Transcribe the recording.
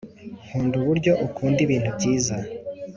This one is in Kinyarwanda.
nkunda uburyo ukunda ibintu byiza